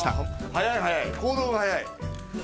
早い早い行動が早い。